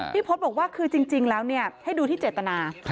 พจน์บอกว่าคือจริงแล้วให้ดูที่เจตนา